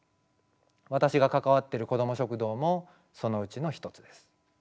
私が関わっているこども食堂もそのうちの一つです。